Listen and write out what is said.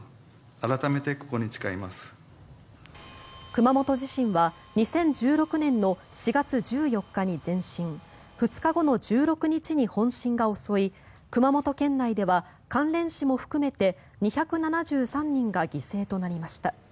熊本地震は２０１６年の４月１４日に前震２日後の１６日に本震が襲い熊本県内では関連死も含めて２７３人が犠牲になりました。